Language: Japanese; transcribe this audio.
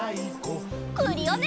クリオネ！